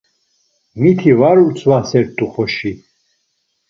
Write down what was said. Miti var utzvasert̆u xoşi.